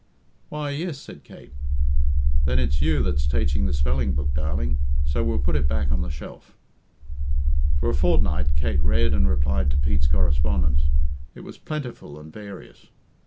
"Why, yes," said Kate. "Then it's you that's taiching the spelling book, darling; so we'll put it back on the shelf." For a fortnight Kate read and replied to Pete's correspondence. It was plentiful and various.